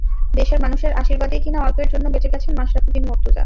দেশের মানুষের আশীর্বাদেই কিনা, অল্পের জন্য বেঁচে গেছেন মাশরাফি বিন মুর্তজা।